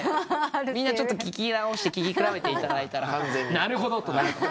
みんな聞き直して聞き比べていただいたら「なるほど」と。